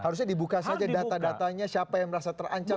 harusnya dibuka saja data datanya siapa yang merasa terancam